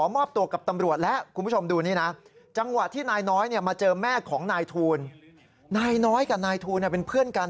มาเจอแม่ของนายทูลนายน้อยกับนายทูลเป็นเพื่อนกัน